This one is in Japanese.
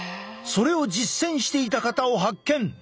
それを実践していた方を発見！